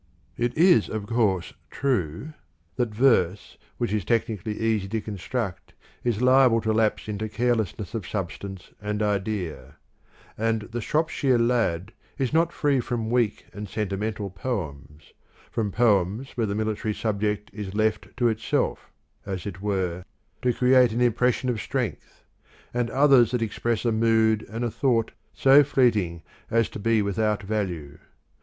It is of course true that verse which is techni cally easy to construct is liable to lapse into careless ness of substance and idea: and the "Shropshire Lad " is not free from weak and sentimental poems, from poems where the military subject is left to itself, as it were, to create an impression of strength, and others that express a mood and a thought so fleeting as to be without value.